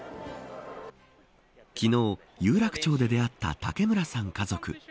昨日、有楽町で出会った竹村さん家族。